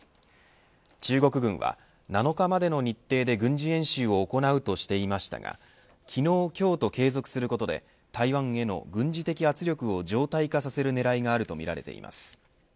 中国軍は７日までの日程で軍事演習を行うとしていましたが昨日今日と継続することで台湾への軍事的圧力を常態化させるねらいがあるとみられています。